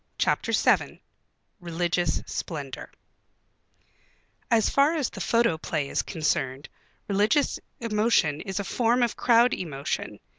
CHAPTER VII RELIGIOUS SPLENDOR As far as the photoplay is concerned, religious emotion is a form of crowd emotion.